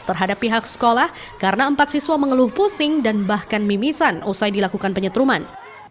terhadap pihak sekolah karena empat siswa mengeluh pusing dan bahkan mimisan usai dilakukan penyetruman